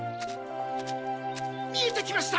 見えてきました！